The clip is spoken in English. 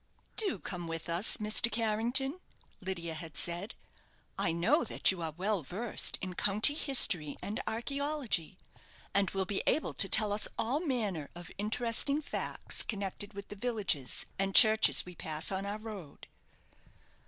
"Do come with us, Mr. Carrington," Lydia had said. "I know that you are well versed in county history and archaeology, and will be able to tell us all manner of interesting facts connected with the villages and churches we pass on our road."